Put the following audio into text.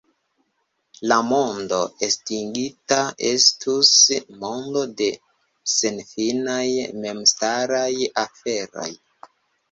La mondo estiĝinta estus mondo de senfinaj memstaraj aferoj.